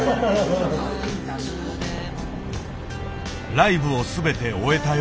ライブを全て終えた夜。